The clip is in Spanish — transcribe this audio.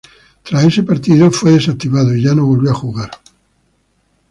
Tras ese partido, fue desactivado, y ya no volvió a jugar.